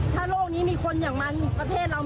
คุณผู้ชมคุณผู้ชมคุณผู้ชม